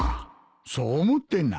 そう思ってな。